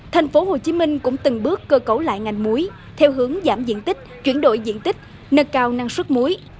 thành phố hồ chí minh cũng từng bước cơ cấu lại ngành muối theo hướng giảm diện tích chuyển đổi diện tích nâng cao năng suất muối